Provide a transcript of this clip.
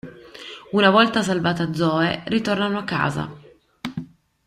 Una volta salvata Zoe ritornano a casa.